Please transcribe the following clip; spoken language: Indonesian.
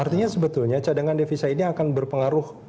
artinya sebetulnya cadangan devisa ini akan berpengaruh